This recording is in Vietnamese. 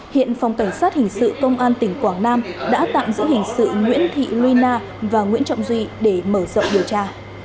hiện phòng cảnh sát hình sự công an tỉnh quảng nam đã tạm giữ hình sự nguyễn thị luy na và nguyễn trọng duy để mở rộng điều tra